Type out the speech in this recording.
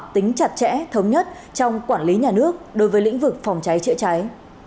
tính chặt chẽ thống nhất trong quản lý nhà nước đối với lĩnh vực phòng cháy chữa cháy